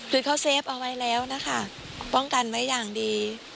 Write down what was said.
คือเขาเซฟเอาไว้แล้วนะคะป้องกันไว้อย่างดี